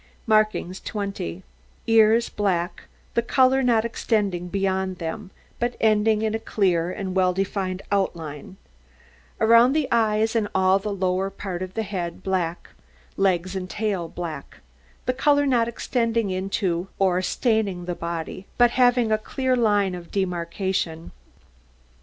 MARKINGS 20 Ears black, the colour not extending beyond them, but ending in a clear and well defined outline; around the eyes, and all the lower part of the head, black; legs and tail black, the colour not extending into or staining the body, but having a clear line of demarkation.